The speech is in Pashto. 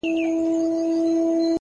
د زړه سکون له پاک نیت راځي؛